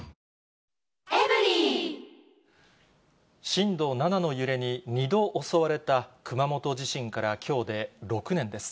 震度７の揺れに２度襲われた熊本地震からきょうで６年です。